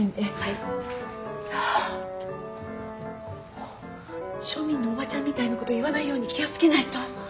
もう庶民のおばちゃんみたいなこと言わないように気を付けないと。